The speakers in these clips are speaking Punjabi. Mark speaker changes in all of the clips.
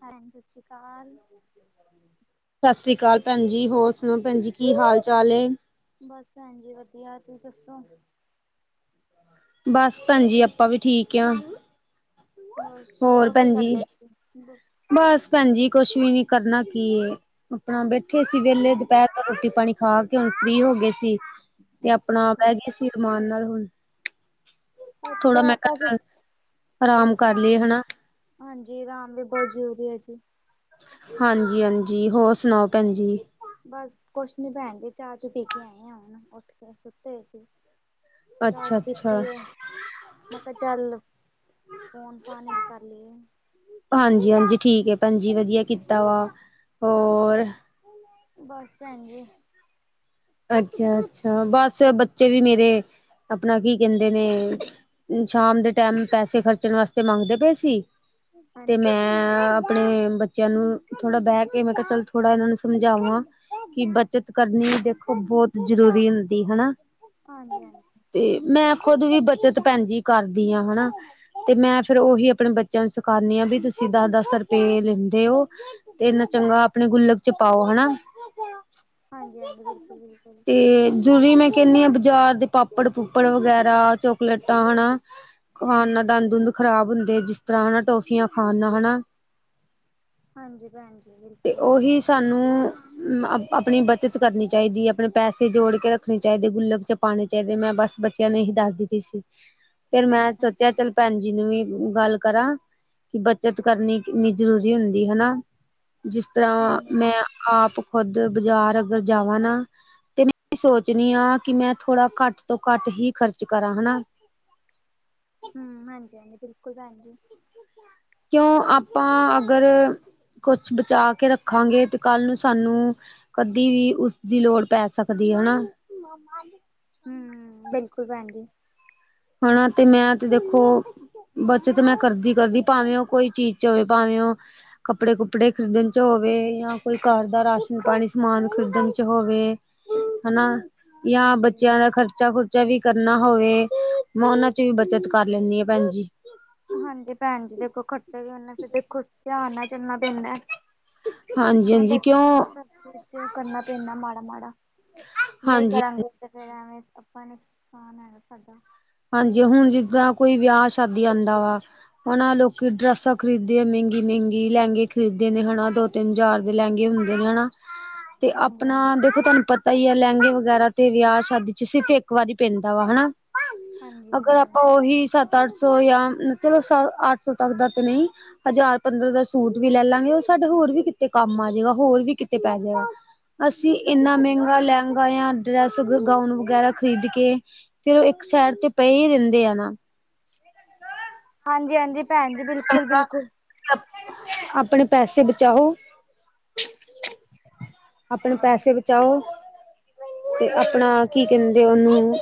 Speaker 1: ਭੈਣ ਸਤਿ ਸ੍ਰੀ ਅਕਾਲ।
Speaker 2: ਸਤਿ ਸ਼੍ਰੀ ਅਕਾਲ ਭੈਣ ਜੀ ਹੋਰ ਸੁਣੋ ਭੈਣ ਜੀ ਕੀ ਹਾਲ ਚਾਲ ਏ।
Speaker 1: ਬੱਸ ਭੈਣ ਜੀ ਵਧੀਆ ਤੁਸੀਂ ਦੱਸੋ।
Speaker 2: ਬੱਸ ਭੈਣਜੀ ਆਪਾਂ ਵੀ ਠੀਕ ਆ।
Speaker 1: ਬਸ ਹੋਰ ਕੀ ਕਰਦੇ ਸੀ।
Speaker 2: ਬੱਸ ਭੈਣ ਜੀ ਕੁੱਛ ਵੀ ਨੀ ਕਰਨਾ ਕੀਏ ਆਪਣਾ ਬੈਠੇ ਸੀ ਵਿਹਲੇ
Speaker 1: ਅੱਛਾ
Speaker 2: ਦੁਪਹਿਰ ਬਸ ਰੋਟੀ ਪਾਣੀ ਖਾ ਕੇ ਹੁਣ ਫ੍ਰੀ ਹੋ ਗਏ ਸੀ ਤੇ
Speaker 1: ਅੱਛਾ
Speaker 2: ਆਪਣਾ ਬਹਿ
Speaker 1: ਅੱਛਾ
Speaker 2: ਗਏ ਸੀ। ਇਰਮਾਨ ਨਾਲ ਹੋਈ ਥੋੜਾ ਮੈਂ
Speaker 1: ਅੱਛਾ
Speaker 2: ਕਿਹਾ
Speaker 1: ਬਸ
Speaker 2: ਚਲ ਆਰਾਮ ਕਰ ਲਈਏ ਹਨਾ
Speaker 1: ਹਾਂਜੀ, ਆਰਾਮ ਵੀ ਬਹੁਤ ਜ਼ਰੂਰੀ ਹੈ ਜੀ।
Speaker 2: ਹਾਂਜੀ, ਹਾਂਜੀ ਹੋਰ ਸੁਣਾਓ ਭੈਣ ਜੀ।
Speaker 1: ਬਸ ਕੁਛ ਨੀ ਭੈਣ ਜੀ ਚਾਹ ਚੂ ਪੀ ਕੇ ਆਏ ਆ ਹੁਣ ਉੱਠ ਕੇ ਸੁੱਤੇ ਹੋਏ ਸੀ। ਚਾਹ ਚੂ ਪੀਤੀ
Speaker 2: ਅੱਛਾ-ਅੱਛਾ
Speaker 1: ਏ। ਮੈਂ ਕਿਹਾ ਚੱਲ ਫੋਨ ਫਾਨ ਇੱਕ ਕਰ ਲਈਏ।
Speaker 2: ਹਾਂਜੀ, ਹਾਂਜੀ ਠੀਕ ਏ ਭੈਣਜੀ ਵਧੀਆ ਕੀਤਾ ਵਾ ਹੋਰ
Speaker 1: ਬਸ ਭੈਣ ਜੀ
Speaker 2: ਅੱਛਾ, ਅੱਛਾ ਬਸ ਬੱਚੇ ਵੀ ਮੇਰੇ ਆਪਣਾ ਕੀ ਕਹਿੰਦੇ ਨੇ ਸ਼ਾਮ ਦੇ ਟੈਮ ਪੈਸੇ ਖਰਚਣ ਵਾਸਤੇ ਮੰਗਦੇ ਪਏ ਸੀ, ਤੇ
Speaker 1: ਹਾਂਜੀ
Speaker 2: ਮੈਂ ਮੈਂ ਆਪਣੇ ਬੱਚਿਆਂ ਨੂੰ ਥੋੜਾ ਬਹਿ ਕੇ ਮੈਂ ਕਿਹਾ ਚੱਲ ਥੋੜਾ ਇਹਨਾਂ ਨੂੰ ਸਮਝਾਵਾਂ। ਕਿ ਬੱਚਤ ਕਰਨੀ ਦੇਖੋ ਬਹੁਤ ਜ਼ਰੂਰੀ ਹੁੰਦੀ ਹਨਾ
Speaker 1: ਹਾਂਜੀ, ਹਾਂਜੀ।
Speaker 2: ਤੇ ਮੈਂ ਖੁਦ ਵੀ ਬੱਚਤ ਭੈਣ ਜੀ ਕਰਦੀ ਆ ਹਨਾ ਤੇ ਮੈਂ ਫਿਰ ਉਹੀ ਆਪਣੇ ਬੱਚਿਆਂ ਨੂੰ ਸਿਖਾਨੀ ਆਂ ਵੀ ਤੁਸੀਂ ਦੱਸ ਦੱਸ ਰੁਪਏ ਲੈਂਦੇ ਹੋ ਤੇ ਇੰਨਾ ਚੰਗਾ ਆਪਣੇ ਗੁੱਲਕ ਚ ਪਾਉ ਹਨਾ। [unintelligible]
Speaker 1: ਹਾਂਜੀ ਹਾਂਜੀ- ਬਿਲਕੁਲ ਬਿਲਕੁਲ।
Speaker 2: ਤੇ ਜੂੰ ਦੀ ਮੈਂ ਕੈਣੀ ਆ ਬਾਜ਼ਾਰ ਦੇ ਪਾਪੜ- ਪੂਪੜ ਵਗੈਰਾ ਚੋਕਲੇਟਾਂ ਹਨਾ ਖਾਣ ਨਾਲ ਦੰਦ ਦੁੰਦ ਖਰਾਬ ਹੁੰਦੇ, ਜਿਸ ਤਰ੍ਹਾਂ ਹਨਾ ਟੋਫੀਆਂ ਖਾਣ ਨਾਲ ਹਨਾ ਵ
Speaker 1: ਹਾਂਜੀ ਭੈਣ ਜੀ ਬਿਲਕੁਲ।
Speaker 2: ਤਾਨੂੰ ਅ ਆਪਣੀ ਬੱਚਤ ਕਰਨੀ ਚਾਈਦੀ ਆਪਣੇ ਪੈਸੇ ਜੋੜ ਕੇ ਰੱਖਣੇ ਚਾਈਦੇ, ਗੁੱਲਕ 'ਚ ਪਾਣੇ ਚਾਈਦੇ, ਮੈਂ ਬੱਸ ਬੱਚਿਆਂ ਨੂੰ ਏਹੀ ਦੱਸਦੀ ਪਈ ਸੀ। ਪਰ ਮੈਂ
Speaker 1: ਅੱਛਾ
Speaker 2: ਸੋਚਿਆ
Speaker 1: ਅੱਛਾ
Speaker 2: ਚੱਲ ਭੈਣ ਜੀ ਨੂੰ ਵੀ ਗੱਲ ਕਰਾਂ। ਕੀ ਬੱਚਤ ਕਰਨੀ ਕਿੰਨੀ ਜ਼ਰੂਰੀ ਹੁੰਦੀ ਹਨਾ। ਜਿਸ ਤਰ੍ਹਾਂ
Speaker 1: ਹਾਂਜੀ
Speaker 2: ਮੈ
Speaker 1: ਹਾਂਜੀ
Speaker 2: ਆਪ ਖੁਦ ਬਾਜ਼ਾਰ ਅਗਰ ਜਾਵਾਂ ਨਾ ਤੇ ਮੈਂ ਸੋਚਣੀ ਆ ਕਿ ਮੈਂ ਥੋੜ੍ਹਾ ਘੱਟ ਤੋਂ ਘੱਟ ਹੀ ਖ਼ਰਚ ਕਰਾਂ ਹਨਾ।
Speaker 1: ਹੂੰ ਹਾਂਜੀ ਹਾਂਜੀ ਬਿਲਕੁਲ ਭੈਣ ਜੀ।
Speaker 2: ਕਿਉਂ ਆਪਾਂ ਅਗਰ ਕੁਛ ਬਚਾ ਕੇ ਰੱਖਾਂਗੇ ਤੇ ਕੱਲ ਨੂੰ ਸਾਨੂੰ ਕਦੀ ਵੀ ਉਸਦੀ ਲੋੜ ਪੈ ਸਕਦੀ ਹਨਾ। [unintelligible]
Speaker 1: ਹੂੰਅ ਬਿਲਕੁਲ ਭੈਣ ਜੀ।
Speaker 2: ਹਣਾ ਤੇ ਮੈਂ ਤੇ ਦੇਖੋ ਬੱਚਤ ਮੈਂ ਕਰਦੀ ਕਰਦੀ ਭਾਵੇਂ ਓ ਕੋਈ ਚੀਜ਼ 'ਚ ਅਵੇ ਭਾਵੇਂ ਓ ਕੱਪੜੇ ਕੁਪੜੇ ਖਰੀਦਣ 'ਚ ਹੋਵੇ ਜਾਂ ਕੋਈ ਘਰ ਦਾ ਰਾਸ਼ਨ ਪਾਣੀ ਸਮਾਨ ਖਰੀਦਣ 'ਚ ਹੋਵੇ। ਹਨਾ ਜਾਂ
Speaker 1: ਹਾਂਜੀ-ਹਾਂਜੀ।
Speaker 2: ਬੱਚਿਆਂ ਦਾ ਖਰਚਾ ਖੁਰਚਾ ਵੀ ਕਰਨਾ ਹੋਵੇ। ਮੈਂ ਓਨਾਂ 'ਚ ਵੀ ਬੱਚਤ ਕਰ ਲੈਂਣੀ ਆ ਭੈਣ ਜੀ।
Speaker 1: ਹਾਂਜੀ ਭੈਣ ਜੀ ਦੇਖੋ ਖਰਚਾ ਵੀ ਓਨੇ, ਫੇਰ ਦੇਖੋ ਧਿਆਨ ਨਾਲ ਚੱਲਣਾ ਪੈਂਦਾ।
Speaker 2: ਹਾਂਜੀ
Speaker 1: ਹਨਾ
Speaker 2: ਹਾਂਜੀ
Speaker 1: ਦੇਖੋ
Speaker 2: ਕਿਉਂ
Speaker 1: ਸੱਬ ਚੀਜ਼ 'ਚ ਕਰਨਾ ਪੈਂਦਾ ਮਾੜਾ ਮਾੜਾ। ਨਈ
Speaker 2: ਹਾਂਜੀ
Speaker 1: ਕਰਾਂਗੇ ਤੇ ਫੇਰ ਐਵੇਂ ਆਪਾਂ ਨੁਕਸਾਨ ਹੈਗਾ ਸਾਡਾ।
Speaker 2: ਹਾਂਜੀ ਹੁਣ ਜਿੱਦਾਂ ਕੋਈ ਵਿਆ ਸ਼ਾਦੀ ਆਂਦਾ ਵਾ। ਹਨਾ ਲੋਕੀ ਡਰੈਸਾਂ ਖਰੀਦੇ ਮੇਂਗੀ ਮੇਂਗੀ, ਲਹਿੰਗੇ ਖਰੀਦਦੇ ਨੇ ਹਨਾ ਦੋ ਤਿੰਨ ਜਾਰ ਦੇ ਲੈਂਗੇ ਹੁੰਦੇ ਨੇ ਹਨਾ, ਤੇ ਆਪਣਾ
Speaker 1: ਹਾਂਜੀ-ਹਾਂਜੀ।
Speaker 2: ਦੇਖੋ ਤੁਆਨੂੰ ਪਤਾ ਪਤਾ ਈ ਆ ਲੈਂਗੇ ਵਗੈਰਾ ਤੇ ਵਿਆ ਸ਼ਾਦੀ 'ਚ ਸਿਰਫ ਇੱਕ ਵਾਰੀ ਪੈਂਦਾ ਵਾ ਹਨਾ। ਅਗਰ
Speaker 1: ਹਾਂਜੀ-ਹਾਂਜੀ,
Speaker 2: ਆਪਾਂ ਓਹੀ ਸੱਤ -ਅੱਠ ਸੌ ਜਾਂ ਚਲੋ ਅੱਠ ਸੌ ਤੱਕ ਦਾ ਤੇ ਨਈ। ਹਜ਼ਾਰ ਪੰਦਰਾਂ ਦਾ ਸੂਟ ਵੀ ਲੈ ਲਾਂਗੇ, ਓ ਸਾਡੇ ਹੋਰ ਵੀ ਕਿਤੇ ਕੰਮ ਆ ਜੇਗਾ ਹੋਰ ਵੀ ਕਿਤੇ ਪੈ ਜੇਗਾ। ਅਸੀਂ ਏਨਾ
Speaker 1: ਹਾਂਜੀ-ਹਾਂਜੀ,
Speaker 2: ਮੈਂਗਾ ਲੈਂਗਾ ਜਾਂ ਡਰੈਸ ਅਗਰ ਗਾਊਨ ਵਗੈਰਾ ਖਰੀਦ ਕੇ ਫੇਰ ਇੱਕ ਸੇਡ ਤੇ ਪਏ ਈ ਰੈਂਦੇ ਆ ਨਾ।
Speaker 1: ਹਾਂਜੀ ਹਾਂਜੀ।
Speaker 2: ਚੰੰਗਾ -ਆਪਣੇ ਪੈਸੇ ਬਚਾਓ।
Speaker 1: [inaudible]
Speaker 2: ਆਪਣੇ ਪੈਸੇ ਬਚਾਓ ਤੇ ਆਪਣਾ ਕੀ ਕੈਂਦੇ ਓਨੂੰ।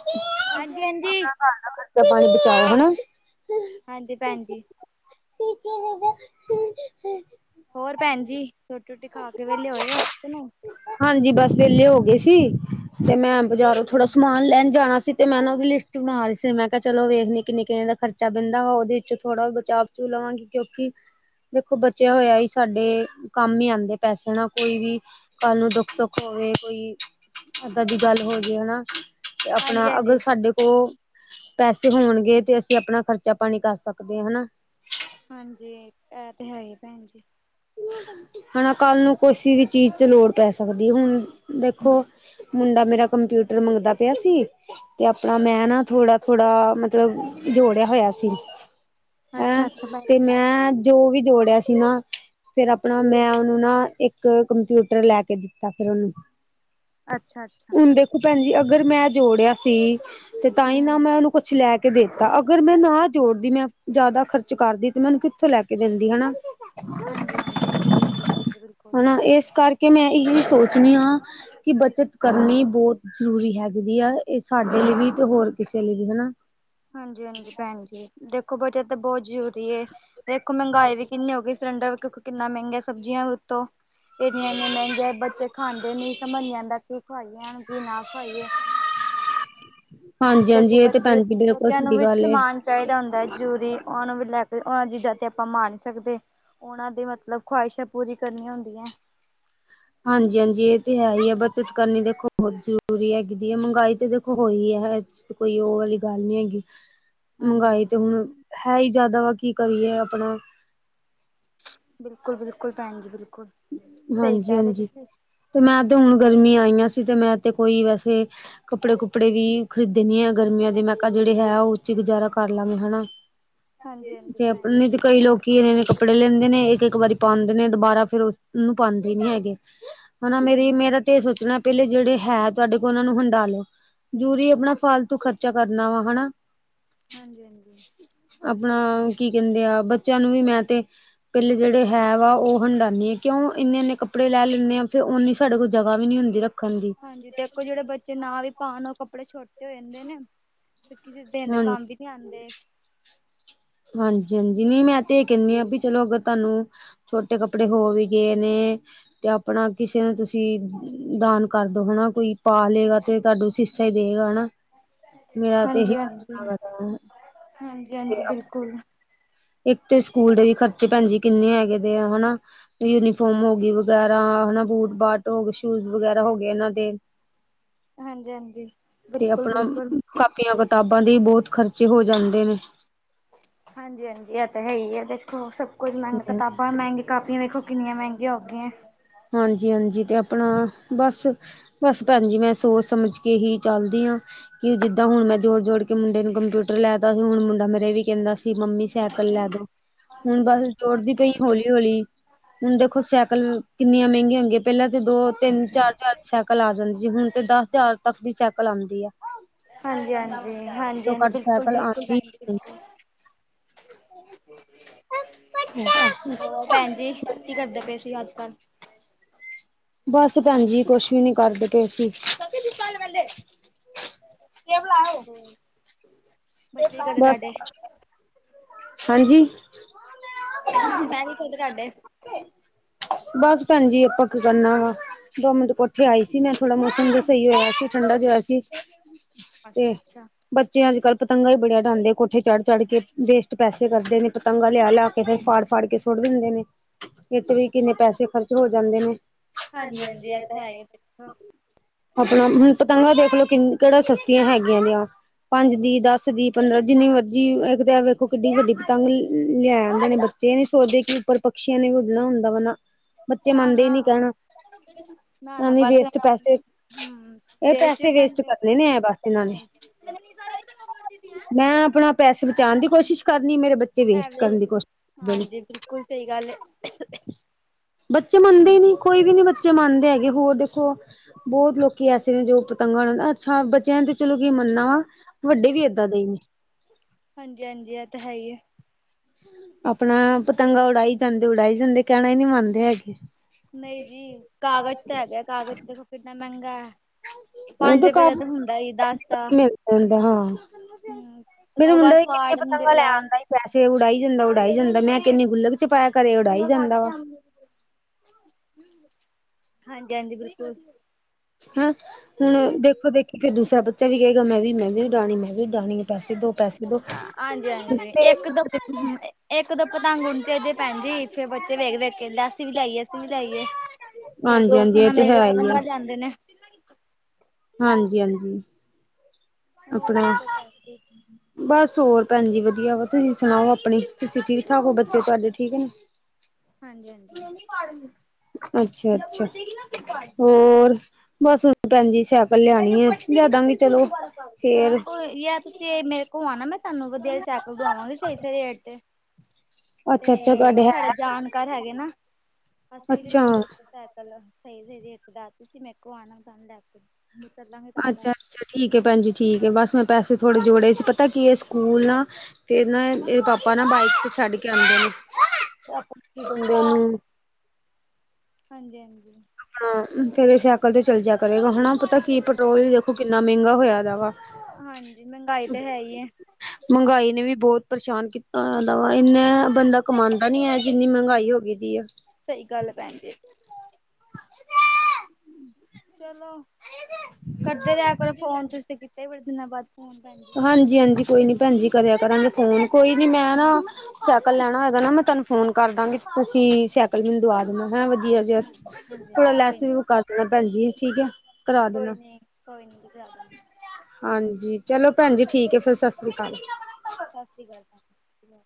Speaker 1: ਹਾਂਜੀ ਹਾਂਜੀ।
Speaker 2: ਖਰਚਾ ਪਾਣੀ ਬਚਾਓ ਹਨਾ।
Speaker 1: ਹਾਂਜੀ ਭੈਣ ਜੀ।
Speaker 2: [unintelligible]
Speaker 1: ਹੋਰ ਭੈਣ ਜੀ ਰੋਟੀ ਰੂਟੀ ਖਾ ਕੇ ਵੈਲੇ ਹੋਏ ਓ ਕੇ ਨਈ।
Speaker 2: ਹਾਂਜੀ ਬਸ ਵੈਲੇ ਹੋ ਗੇ ਸੀ ਤੇ ਮੈਂ ਬਾਜ਼ਾਰੋਂ
Speaker 1: ਅੱਛਾ
Speaker 2: ਥੋੜਾ ਸਮਾਨ ਲੈਣ ਜਾਣਾ ਸੀ। ਤੇ ਮੈਂ ਨਾ ਓਦੀ ਲਿਸਟ ਬਣਾ ਰੀ ਸੀ। ਮੈਂ ਕਿਆ ਚਲੋ ਵੇਖਣੀ ਕਿੰਨੇ ਕਿੰਨੇ ਖਰਚਾ ਪੈਂਦਾ ਵਾ ਓਦੇ ਵਿੱਚੋਂ ਥੋੜ੍ਹਾ ਬਚਾ 'ਚ ਲਵਾਂਗੀ। ਕਿਉਂਕਿ ਦੇਖੋ ਬਚਿਆ ਹੋਇਆ ਹੀ ਸਾਡੇ ਕੰਮ ਈ ਆਂਦੇ। ਪੈਸੇ ਨਾ ਕੋਈ ਵੀ ਕੱਲ੍ਹ ਨੂੰ ਦੁੱਖ ਸੁੁੱਖ ਹੋਵੇ ਕੋਈ ਇੱਦਾਂ ਦੀ ਗੱਲ ਹੋਜੇ ਹਨਾ ਤੇ ਆਪਣਾ
Speaker 1: ਹਾਂਜੀ-ਹਾਂਜੀ।
Speaker 2: ਅਗਰ ਸਾਡੇ ਕੋਲ। ਪੈਸੇ ਹੋਣਗੇ ਤੇ ਅਸੀਂ ਆਪਣਾ ਖਰਚਾ ਪਾਣੀ ਸਕਦੇ ਹਨਾ।
Speaker 1: ਹਾਂਜੀ ਇਹ ਤੇ ਹੈ ਹੀ ਭੈਣ ਜੀ।
Speaker 2: ਹਨਾ ਕੱਲ ਨੂੰ ਕੋਸੀ ਵੀ ਚੀਜ਼ ਤੇ ਲੋੜ ਸਕਦੀ ਹੈ ਹੁਣ ਦੇਖੋ। ਮੁੰਡਾ ਮੇਰਾ ਕੰਪਿਊਟਰ ਮੰਗਦਾ ਪਿਆ ਸੀ ਤੇ ਆਪਣਾ ਮੈਂ ਨਾ
Speaker 1: ਅੱਛਾ।
Speaker 2: ਥੋੜਾ। ਥੋੜਾ ਮਤਲਬ ਜੋੜਿਆ ਹੋਇਆ ਸੀ ਹੈਂ
Speaker 1: ਅੱਛਾ ਅੱਛਾ ਭੈਣ
Speaker 2: ਤੇ
Speaker 1: ਜੀ
Speaker 2: ਮੈਂ। ਜੋ ਵੀ ਜੋੜਿਆ ਸੀ ਨਾ। ਫੇਰ ਆਪਣਾ ਮੈਂ ਉਹਨੂੰ ਨਾ ਇੱਕ ਕੰਪਿਊਟਰ ਲੈ ਕੇ ਦਿੱਤਾ ਫਿਰ ਉਹਨੂੰ।
Speaker 1: ਅੱਛਾ-ਅੱਛਾ।
Speaker 2: ਹੁਣ ਦੇਖੋ ਭੈਣ ਜੀ ਅਗਰ ਮੈਂ ਜੋੜਿਆ ਸੀ ਤੇ ਤਾਂ ਹੀ ਨਾ
Speaker 1: ਹੂੰ।
Speaker 2: ਮੈਂ ਉਹਨੂੰ ਕੁਛ ਲੈ ਕੇ। ਦੇ ਤਾ ਅਗਰ ਮੈਂ ਨਾ ਜੋੜਦੀ ਮੈਂ ਜ਼ਿਆਦਾ ਖਰਚ ਕਰਦੀ ਤੇ ਮੈਂ ਉਹਨੂੰ ਕਿੱਥੋਂ ਲੈ ਕੇ। ਦਿੰਦੀ ਹਨਾ।
Speaker 1: ਹਾਂਜੀ-ਹਾਂਜੀ ਹਾਜੀ ਬਿਲਕੁਲ ਹੈ ਬਿਲਕੁਲ।
Speaker 2: ਹਨਾ ਇਸ ਕਰਕੇ ਮੈਂ ਇਹੀ ਸੋਚਣੀ ਹਾਂ ਕਿ ਬੱਚਤ ਕਰਨੀ ਬਹੁਤ। ਜ਼ਰੂਰੀ ਹੈਗੀ ਆ ਇਹ ਸਾਡੇ ਲਈ ਵੀ ਤੇ ਹੋਰ ਕਿਸੇ ਲਈ ਵੀ ਹਨਾ।
Speaker 1: ਹਾਂਜੀ-ਹਾਂਜੀ ਭੈਣ ਜੀ ਦੇਖੋ ਬੱਚਤ ਤਾਂ ਬਹੁਤ ਜ਼ਰੂਰੀ। ਦੇਖੋ ਮਹਿੰਗਾਈ ਵੀ ਕਿੰਨੀ ਹੋ ਗਈ ਸਿਲੰਡਰ ਕੁ ਕਿੰਨਾ ਮਹਿੰਗਾ ਸਬਜ਼ੀਆਂ ਉੱਤੋਂ। ਇੰਨੇ ਇੰਨੇ ਮਹਿੰਗੀਆਂ ਬੱਚੇ ਖਾਂਦੇ ਨੀ ਸਮਝ ਨੀ ਆੰਦਾ ਕੀ ਖਵਾਈਏ ਕੀ ਨਾ ਖਵਾਈਏ।
Speaker 2: ਹਾਂਜੀ
Speaker 1: ਦੇਖੋ
Speaker 2: ਹਾਂਜੀ ਇਹ ਤੇ
Speaker 1: ਬੱਚੇ
Speaker 2: ਭੈਣ ਜੀ ਬਿਲਕੁਲ
Speaker 1: ਬੱਚਿਆਂ ਨੂੰ
Speaker 2: ਸਹੀ
Speaker 1: ਵਿੱਚ
Speaker 2: ਗੱਲ ਏ
Speaker 1: ਸਮਾਨ। ਚਾਹੀਦਾ ਹੁੰਦਾ ਹੈ ਜ਼ਰੂਰੀ ਉਹਨਾਂ ਨੂੰ ਵੀ ਲੈ ਕੇ ਉਹਨਾਂ ਚੀਜ਼ਾਂ ਤੇ ਆਪਾਂ ਮਾਰ ਨਹੀਂ ਸਕਦੇ। ਉਹਨਾ ਦੀ ਮਤਲਬ ਖਵਾਹਿਸ਼ਾਂ ਪੂਰੀ ਕਰਨੀਆਂ ਹੁੰਦੀਆਂ।
Speaker 2: ਹਾਂਜੀ-ਹਾਂਜੀ ਇਹ ਤੇ ਹੈ ਕਿ ਬੱਚਤ ਕਰਨੀ ਦੇਖੋ ਬਹੁਤ ਜ਼ਰੂਰੀ ਹੈਗੀ ਦੀ ਹੈ ਮਹਿੰਗਾਈ ਤਾਂ ਦੇਖੋ ਹੋਣੀ ਹੈ। ਤੇ ਕੋਈ ਉਹ ਵਾਲੀ ਗੱਲ ਨਹੀਂ ਹੈਗੀ।
Speaker 1: ਹਾਂਜੀ
Speaker 2: ਮਹਿੰਗਾਈ
Speaker 1: ਹਾਂਜੀ।
Speaker 2: ਤੇ ਹੁਣ ਹੈ ਹੀ ਜ਼ਿਆਦਾ ਤਾਂ ਕੀ ਕਰੀਏ ਆਪਣਾ।
Speaker 1: ਬਿਲਕੁਲ ਬਿਲਕੁਲ ਭੈਣ ਜੀ ਬਿਲਕੁਲ। ਸਹੀ ਕਹਿ ਰਹੇ
Speaker 2: ਹਾਂਜੀ-ਹਾਂਜੀ
Speaker 1: ਤੁਸੀਂ
Speaker 2: ਤੇ ਮੈਂ ਤੇ ਹੁਣ ਗਰਮੀਆਂ ਆਈਆਂ ਸੀ ਤੇ ਮੈਂ ਤੇ ਕੋਈ ਵੈਸੇ। ਕੱਪੜੇ ਕੁੱਪੜੇ ਵੀ ਖਰੀਦਣੇ ਆਂ ਗਰਮੀਆਂ ਦੇ ਮੈਂ ਕਿਹਾ ਜਿਹੜੇ ਹੈ ਉਹ ਚ ਹੀ ਗੁਜ਼ਾਰਾ ਕਰ ਲੈਵਾਗੇ ਹਨਾ। ਹਾਂਜੀ ਤੇ ਆਪਣੇ ਤੇ ਕਈ ਲੋਕ। ਕਿ ਇਹ ਨੇ ਕੱਪੜੇ ਲੈਂਦੇ ਨੇ ਇੱਕ ਇੱਕ ਵਾਰੀ ਪਾਉਂਦੇ ਨੇ ਦੁਬਾਰਾ ਫਿਰ ਉਸਨੂੰ ਪਾਉਂਦੇ ਨੀ ਹੈਗੇ। ਹਨਾ
Speaker 1: ਹਮ
Speaker 2: ਮੇਰਾ ਤੇ ਇਹ ਸੋਚਣਾ ਪਹਿਲੇ ਜਿਹੜੇ ਹੈ ਤੁਹਾਡੇ ਕੋਲ ਉਹ ਨੂੰ ਹੰਡਾਾਲੋ। ਜ਼ਰੂਰੀ ਆਪਣਾ ਫਾਲਤੂ ਖਰਚਾ ਕਰਨਾ ਵਾ ਹਨਾ।
Speaker 1: ਹਾਂਜੀ-ਹਾਂਜੀ।
Speaker 2: ਆਪਣਾ ਕੀ ਕਹਿੰਦੇ ਆ ਬੱਚਿਆਂ ਨੂੰ ਵੀ ਮੈਂ ਤੇ। ਪਹਿਲੇ ਜਿਹੜੇ ਹੈ ਵਾ ਉਹ ਹੰਢਾਈਏ। ਕਿਉਂ ਇੰਨੇ ਇੰਨੇ ਕੱਪੜੇ ਲੈ ਲੈਂਦੇ ਆ ਫਿਰ ਓਨੀ ਸਾਡੇ ਕੋਲ ਜ੍ਹਗਾ ਵੀ ਨਹੀਂ ਹੁੰਦੀ ਰੱਖਣ ਦੀ।
Speaker 1: ਹਾਂਜੀ ਦੇਖੋ ਜਿਹੜੇ ਬੱਚੇ ਨਾ ਵੀ ਪਾਉਣ ਉਹ ਕੱਪੜੇ ਛੋਟੇ। ਤੇ ਹੋ ਜਾਂਦੇ ਨੇ ਤੇ ਕਿਸੇ ਦੇਨ ਦੇ ਕੰਮ ਵੀ ਨੀ ਆਉਂਦੇ।
Speaker 2: ਹਾਂਜੀ-ਹਾਂਜੀ ਨਹੀਂ ਮੈਂ ਤੇ ਇਹ ਕਹਿੰਦੀ ਹਾਂ ਵੀ ਚਲੋ ਅਗਰ ਤੁਹਾਨੂੰ। ਛੋਟੇ ਕੱਪੜੇ ਹੋ ਵੀ ਗਏ ਨੇ। ਤੇ ਆਪਣਾ ਕਿਸੇ ਨੂੰ ਤੁਸੀਂ ਦਾਨ ਕਰਦੋ ਹਨਾ ਕੋਈ ਪਾ ਲਏਗਾ। ਤੇ ਤੁਹਾਨੂੰ ਆਸੀਸਾਂ ਹੀ ਦੇ ਗਾ ਹਨਾ। ਮੇਰਾ ਤੇ ਇਹੀ
Speaker 1: ਹਾਂਜੀ-ਹਾਂਜੀ ਹਾਂਜੀ-ਹਾਂਜੀ ਬਿਲਕੁਲ।
Speaker 2: ਇੱਕ ਤੇ ਸਕੂਲ ਦੇ ਵੀ ਖਰਚੇ ਭੈਣ ਜੀ ਕਿੰਨੇ ਹੈਗੇ ਦੇ ਆ ਹਨਾ। ਯੂਨੀਫਾਰਮ ਹੋ ਗਈ ਵਗੈਰਾ ਹਨਾ ਬੂਟ ਬਾਟ। ਸ਼ੂਜ ਵਗੈਰਾ ਹੋ ਗਏ ਇਹਨਾਂ ਦੇ।
Speaker 1: ਹਾਂਜੀ ਹਾਂਜੀ,
Speaker 2: ਤੇ
Speaker 1: ਬਿਲਕੁਲ
Speaker 2: ਆਪਣਾ
Speaker 1: ਬਿਲਕੁਲ
Speaker 2: ਕਾਪੀਆਂ- ਕਿਤਾਬਾਂ ਦੇ ਈ ਬਹੁਤ ਖਰਚੇ ਹੋ ਜਾਂਦੇ ਨੇ।
Speaker 1: ਹਾਂਜੀ ਹਾਂਜੀ ਇਹ ਤਾਂ ਹੈ ਹੀ ਆ, ਵੇਖੋ ਸਭ ਕੁਝ ਮਹਿੰਗਾ ਕਿਤਾਬ ਪਰ ਕਾਪੀਆਂ ਵੇਖੋ ਕਿੰਨੀਆਂ ਮਹਿੰਗੀਆਂ ਹੋਗੀਆਂ।
Speaker 2: ਹਾਂਜੀ ਹਾਂਜੀ ਤੇ ਆਪਣਾ, ਬਸ ਬਸ ਭੈਣ ਜੀ ਮੈਂ ਸੋਚ- ਸਮਝ ਕੇ ਹੀ ਚੱਲਦੀ ਆ ਕਿ ਜਿੱਦਾਂ ਹੁਣ ਮੈਂ ਜੋੜ -ਜੋੜ ਕੇ ਮੁੰਡੇ ਨੂੰ ਕੰਪਿਊਟਰ ਲੈਤਾ ਸੀ। ਹੁਣ ਮੁੰਡਾ ਮੇਰੇ ਵੀ ਕਹਿੰਦਾ ਸੀ। ਕਿ ਮੰਮੀ ਸਾਈਕਲ ਲੈ ਦੋ, ਹੁਣ ਬਸ ਜੋੜਦੀ ਪਈ ਆਂ। ਹੌਲੀ -ਹੌਲੀ, ਹੁਣ ਦੇਖੋ ਸਾਇਕਲ ਕਿੰਨੀਆਂ ਮਹਿੰਗੀਆਂ ਹੁੰਦੀਆਂ, ਪਹਿਲਾਂ ਤੇ ਦੋ -ਤਿੰਨ ਚਾਰ- ਚਾਰ ਸਾਈਕਲ ਆ ਜਾਂਦੀ ਆ, ਹੁਣ ਤੇ ਦਸ ਹਜ਼ਾਰ ਤੱਕ ਦੀ ਸਾਈਕਲ ਆਂਦੀ ਆ।
Speaker 1: ਹਾਂਜੀ, ਹਾਂਜੀ,
Speaker 2: ਉਸ
Speaker 1: ਹਾਂਜੀ,
Speaker 2: ਤੋਂ
Speaker 1: ਹਾਂਜੀ
Speaker 2: ਘੱਟ
Speaker 1: ਬਿਲਕੁਲ ਬਿਲਕੁਲ ਬਿਲਕੁਲ।
Speaker 2: ਹ
Speaker 1: ਹੋਰ ਭੈਣ ਜੀ
Speaker 2: [unintelligible]
Speaker 1: ਕੀ ਕਰਦੇ ਪਏ ਸੀ ਅੱਜ- ਕੱਲ੍ਹ
Speaker 2: ਬਸ ਭੈਣਜੀ ਕੁਛ ਵੀ ਨੀ ਕਰਦੇ ਪਏ ਸੀ। ਇਹ ਬਲਲਾ ਹੈ [inaudible]
Speaker 1: ਬੱਚੇ ਕੀ ਕਰਦੇ
Speaker 2: ਬਸ
Speaker 1: ਤਾਡੇ
Speaker 2: ਹਾਂਜੀ
Speaker 1: ਬੱਚੇ ਮੈਂ ਕਿਆ ਕੀ ਕਦੇ ਤਾਡੇ
Speaker 2: ਬਸ ਭੈਣ ਜੀ ਆਪਾਂ ਕੀ ਕਰਨਾ ਵਾ ਦੋ- ਮਿੰਟ ਕੋਠੇ ਆਈ ਸੀ ਮੈਂ ਥੋੜਾ ਮੌਸਮ ਜੋ ਸਹੀ ਹੋਇਆ ਸੀ, ਠੰਡਾ ਜਿਹਾ ਸੀ। ਹ [inaudible]
Speaker 1: ਅੱਛਾ, ਅੱਛਾ
Speaker 2: ਬੱਚੇ ਅਜਕੱਲ ਪਤੰਗਾ ਬੜੀਆਂ ਆਡਾਂਦੇ ਕੋਠੇ ਚੜ੍ਹ -ਚੜ੍ਹ ਕੇ, ਵੇਸਟ ਪੈਸੇ ਕਰਦੇ ਨੇ ਪਤੰਗਾ ਲਿਆ- ਲਿਆ ਕੇ ਫਿਰ ਫਾੜ -ਫਾੜ ਕੇ ਸੁਟ ਦਿੰਦੇ ਨੇ। ਇਥੇ ਵੀ ਕਿੰਨੇ ਪੈਸੇ ਖਰਚ ਹੋ ਜਾਂਦੇ ਨੇ,
Speaker 1: ਹਾਂਜੀ
Speaker 2: ਹਾਜੀ
Speaker 1: ਹਾਂਜੀ
Speaker 2: ਹਾਜੀ ਇਹ ਤਾਂ
Speaker 1: ਹੀ ਦੇਖੋ
Speaker 2: ਹੈ। ਆਪਣਾ ਹੁਣ ਪਤੰਗਾ ਦੇਖਲਓ ਕਿੰਨ, ਕਿਹੜਾ ਸਸਤੀਆਂ ਹੈਗੀਆਂ ਨੇਆਂ ਪੰਜ ਦੀ, ਦਸ ਦੀ। ਸ਼ਦੱਸ ਦੀ ਪੰਦਰਾਂ ਜਿੰਨੀ ਮਰਜ਼ੀ ਇੱਕ ਤੇ ਵੇਖੋ ਕਿੱਡੀ ਵੱਡੀ ਪਤੰਗ ਲ ਲਿਆ ਆਂਦੇ ਨੇ ਬੱਚੇ। ਜੇ ਨੀ ਸੋਚਦੇ ਕਿ ਉੱਪਰ ਪਕਛੀਆਂ ਨੇ ਉੱਡਣਾ ਹੁੰਦਾ ਵਾ ਨਾ। ਬੱਚੇ
Speaker 1: ਨਾ
Speaker 2: ਮੰਨਦੇ ਹੀ
Speaker 1: ਨਾ,
Speaker 2: ਨੀ ਕਹਿਣਾ
Speaker 1: ਨਾ ਨਾ
Speaker 2: ਐਵੇਂ
Speaker 1: ਬਸ ਇਨਾ
Speaker 2: ਵੇਸਟ
Speaker 1: ਆਪਣੀ
Speaker 2: ਪੈਸੇ
Speaker 1: ਹਮ, ਹਮ
Speaker 2: ਇਹ ਪੈਸੇ ਵੇਸਟ
Speaker 1: ਹ
Speaker 2: ਕਰਨੇ ਨੇ ਬਸ ਇਹਨਾਂ ਨੇ
Speaker 1: [unintelligible]
Speaker 2: ਮੈਂ ਆਪਣਾ ਪੈਸੇ ਬਚਾਣ ਦੀ ਕੋਸ਼ਿਸ਼ ਕਰਨੀ, ਮੇਰੇ ਬੱਚੇ ਵੇਸਟ ਕਰਨ ਦੀ ਕੋਸ਼ਿਸ਼ ਕਰਦੇ ਨੇ।
Speaker 1: ਹਾਂਜੀ ਬਿਲਕੁਲ ਸਹੀ ਗੱਲ ਐ।
Speaker 2: ਬੱਚੇ ਮੰਨਦੇ ਈ ਨਈ, ਕੋਈ ਵੀ ਨੀ ਬੱਚੇ ਮੰਨਦੇ ਹੈਗੇ, ਹੋਰ ਦੇਖੋ। ਬਹੁਤ ਲੋਕੀ ਐਸੇ ਨੇ ਜੋ ਪਤੰਗਾਂ, ਅੱਛਾ ਬੱਚਿਆਂ ਦੇ। ਚਲੋ ਕੀ ਮੰਨਨਾ ਵਾ, ਵੱਡੇ ਵੀ ਏਦਾਂ ਦੇਈ ਨੇ।
Speaker 1: ਹਾਂਜੀ ਹਾਂਜੀ ਆ ਤਾਂ ਹੈ ਈ ਐ।
Speaker 2: ਆਪਣਾ ਪਤੰਗਾ ਉਡਾਈ ਜਾਂਦੇ, ਉਡਾਈ ਜਾਂਦੇ ਕਹਿਣਾ ਈ ਨਈ ਮੰਨਦੇ ਹੈਗੇ।
Speaker 1: ਨਹੀਂ ਜੀ ਕਾਗਜ਼ ਤਾਂ ਹੈਗੇ, ਕਾਗਜ਼ ਦੇਖੋ ਕਿੰਨਾ ਮਹਿੰਗਾ ਐ। ਪੰਜ ਰੁਪਏ ਦਾ ਤਾਂ ਹੁੰਦਾ ਈ ਐ ਦੱਸ ਤਾਂ।
Speaker 2: ਉਧ ਹਾਂ।
Speaker 1: ਹੁ
Speaker 2: ਮੇਰਾ ਮੁੰਡਾ ਵੀ ਕਿੰਨੀਆਂ ਪਤੰਗਾ ਲੈ ਆਦਾ ਈ, ਪੈਸੇ ਉਡਾਈ ਜਾਂਦਾ, ਉਡਾਈ ਜਾਂਦਾ। ਮੈਂ ਕੈਨੀ ਗੁੱਲਕ ਚ ਪੈ ਕਰਰੇ ਇਅ ਉਡਾਈ ਜਾਂਦਾ ਵਾ।
Speaker 1: ਹਾਂਜੀ, ਹਾਜੀ ਬਿਲਕੁਲ
Speaker 2: ਹੈਮ ਹੁਣ ਦੇਖੋ ਦੇਖੀ ਫਿਰ ਦੂਸਰਾ ਬੱਚਾ ਵੀ ਕਹੇਗਾ ਮੈਂ ਵੀ ਮੈਂ ਵੀ ਊਡਾਣੀ ਮੈਂ ਵੀ ਊਡਾਣੀ ਏ ਪੈਸੇ ਦੋ। ਪੈਸੇ ਦੋ
Speaker 1: ਹਾਂਜੀ ਹਾਂਜੀ ਇੱਕ ਦੋ ਹਮ ੲ। ਇੱਕ ਦੋ ਪਤੰਗ ਉਡੇ ਦੀ ਭੈਣਜੀ ਇਥੇ ਬੱਚੇ ਵੇਖ ਦੇ। ਕਹਿੰਦਾ ਅਸੀਂ ਵੀ ਲੇ ਆਈਏ ਅਸੀਂ ਵੀ ਲੇ ਆਈਏ ਫੇਰ
Speaker 2: ਹਾਂਜੀ ਹਾਂਜੀ
Speaker 1: ਦੋਸਤਾਂ
Speaker 2: ਇਹ
Speaker 1: ਨਾਲ
Speaker 2: ਤੇ
Speaker 1: ਮਿਲ
Speaker 2: ਹੈ
Speaker 1: ਕੇ
Speaker 2: ਹੀ ਆ
Speaker 1: ਪਤੰਗਾ ਲਿਆਦੇ ਨੇ।
Speaker 2: ਹਾਂਜੀ ਹਾਂਜੀ।
Speaker 1: ਹੋਰ
Speaker 2: ਆਪਣਾ
Speaker 1: ਦਸੋ ਭੈਣਜੀ
Speaker 2: ਬਸ ਹੋਰ ਭੈਣ ਜੀ ਵਧੀਆ ਵਾ ਤੁਸੀਂ ਸੁਣਾਓ ਆਪਣੀ ਤੁਸੀਂ ਠੀਕ ਠਾਕ ਹੋ ਬੱਚੇ ਤੁਹਾਡੇ ਠੀਕ ਨੇ। [inaudible]
Speaker 1: ਹਾਂਜੀ ਹਾਂਜੀ।
Speaker 2: ਅੱਛਾ ਅੱਛਾ। ਹੋਰ ਬਸ ਹੁਣ ਭੈਣਜੀ ਸਾਈਕਲ ਲਿਆਣੀ ਐ ਲਿਆਦਾਂਗੇ ਚਲੋ।
Speaker 1: ਹਾਂ
Speaker 2: ਫੇਰ
Speaker 1: ਕੋਈ ਯਾਰ ਤੁਸੀਂ ਮੇਰੇ ਕੋਲ ਆਣਾ ਮੈਂ। ਤੁਹਾਨੂੰ ਵਧੀਆ ਜੀ ਸਾਈਕਲ ਦਵਾਂਗੇ ਸਹੀ ਸਹੀ ਰੇਟ ਤੇ
Speaker 2: ਅੱਛਾ ਅੱਛਾ
Speaker 1: ਤੇ
Speaker 2: ਤੁਹਾਡੇ ਹੈ
Speaker 1: ਸਾਡਾ ਜਾਣਕਾਰ ਹੈਗੇ ਨਾ ਅਸੀਂ ਵੀ ਦਿੱਤੀ
Speaker 2: ਅੱਛਾ
Speaker 1: ਫਿਰ ਸਾਈਕਲ ਸਹੀ ਸਹੀ ਰੇਟ ਦਸਤੀ ਸੀ ਮੇਰੇ ਕੋਲ ਆਣਾ ਤੁਹਾਨੂੰ ਲੈ ਕੇ ਮੁ ਚਲਾਂਗੇ ਤੁਹਾਨੂੰ ਲੈਕੇ।
Speaker 2: ਅੱਛਾ ਠੀਕ ਹੈ ਭੈਣ ਜੀ ਠੀਕ ਹੈ ਬਸ ਮੈਂ ਪੈਸੇ ਥੋੜੇ ਜੋੜੇ ਸੀ ਪਤਾ ਕੀ ਇਹ ਸਕੂਲ ਨਾ। ਫਿਰ ਨਾ ਇਹਦੇ ਪਾਪਾ ਨਾ ਬਾਈਕ ਤੇ ਛੱਡ ਕੇ ਆਉਂਦੇ ਨੇ ਦੇਨ
Speaker 1: ਹਾਂਜੀ ਹਾਂਜੀ।
Speaker 2: ਹਾ ਫਿਰ ਏ ਸਾਈਕਲ ਤੇ ਚੱਲ ਜਿਆ ਕਰੇਗਾ ਹਨਾ ਪਤਾ ਕੀ
Speaker 1: ਹਾਂਜੀ
Speaker 2: ਪੈਟਰੋਲ ਵੀ ਦੇਖੋ ਕਿੰਨਾ ਮਹਿੰਗਾ ਹੋਇਆ ਦਾ ਵਾ।
Speaker 1: ਹਾਂਜੀ ਮਹਿੰਗਾਈ ਤਾਂ ਹੈ ਹੀ ਐ।
Speaker 2: ਮਹਿੰਗਾਈ ਨੇ ਵੀ ਬਹੁਤ ਪਰੇਸ਼ਾਨ ਕੀਤਾ ਦਾ ਵਾ ਇੰਨਨਾ ਬੰਦਾ ਕਮਾਉਂਦਾ ਨੀ ਹੈ ਜਿੰਨੀ ਮਹਿੰਗਾਈ ਹੋ ਗਈ। ਗ ਹੈ [unintelligible]
Speaker 1: ਸਹੀ ਗੱਲ ਆ ਭੈਣ ਜੀ ਚਲੋ। ਕਰਦੇ ਰਿਹਾ ਕਰੋ ਫੋਨ ਤੁਸੀ ਤੇ ਕੀਤਾ ਹੀ ਬੜੇ ਦਿਨਾਂ ਬਾਦ।
Speaker 2: ਹਾਂਜੀ ਹਾਂਜੀ ਕੋਈ ਨੀ ਭੈਣ ਜੀ ਕਰਿਆ ਕਰਾਂਗੇ ਫੋਨ ਕੋਈ ਨੀ ਮੈਂ ਨਾ। ਸਾਈਕਲ ਲੈਣਾ ਹੈਏਗਾ ਨਾ ਮੈਂ ਤੁਹਾਨੂੰ ਫੋਨ ਕਰ ਦਾਂਗੀ ਤੁਸੀਂ ਸਾਈਕਲ ਮੈਨੂੰ ਦਵਾ ਦੇਣਾ ਹੈਂ ਵਧੀਆ ਜਾ ਜਸਟ
Speaker 1: ਹਾਂਜੀ ਹਾਂਜੀ
Speaker 2: ਥੋੜਾ
Speaker 1: ਕੋਈ
Speaker 2: ਲੈਸ
Speaker 1: ਨੀ
Speaker 2: ਵੀ ਕਰ ਦੇਣਾ ਭੈਣਜੀ ਠੀਕ ਹੈ। ਕਰਾ
Speaker 1: ਕੋਈ
Speaker 2: ਦੇਣਾ
Speaker 1: ਨੀ ਕੋਈ ਨੀ ਜੀ
Speaker 2: ਹਾਂਜੀ ਚਲੋ ਭੈਣ ਜੀ ਠੀਕ ਹੈ ਫਿਰ ਸਤਿ ਸ੍ਰੀ ਅਕਾਲ
Speaker 1: ਸਤਿ ਸ੍ਰੀ ਅਕਾਲ ਸਤਿ ਸ੍ਰੀ ਅਕਾਲ